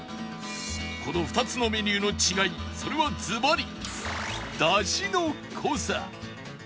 この２つのメニューの違いそれはずばり